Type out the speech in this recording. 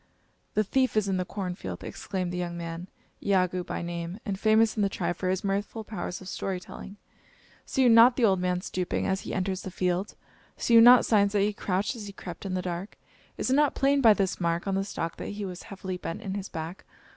"The thief is in the corn field!" exclaimed the young man, Iagoo by name, and famous in the tribe for his mirthful powers of story telling; "see you not the old man stooping as he enters the field? See you not signs that he crouched as he crept in the dark? Is it not plain by this mark on the stalk that he was heavily bent in his hack?